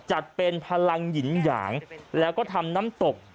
จัดเป็นพลังหยินหยางแล้วก็ทำน้ำตก